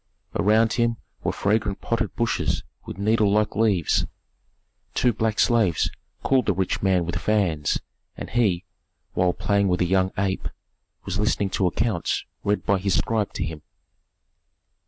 Around him were fragrant potted bushes with needle like leaves. Two black slaves cooled the rich man with fans, and he, while playing with a young ape, was listening to accounts read by his scribe to him.